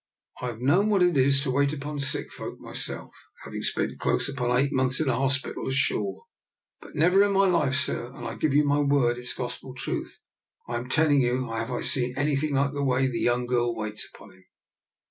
I've known what it is to wait upon sick folk my self, having spent close upon eight months in a hospital ashore, but never in my life, sir, and I give you my word it's gospel truth I'm telling you, have I seen anything like the way that young girl waits upon him.